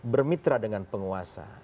bermitra dengan penguasa